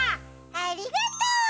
ありがとう！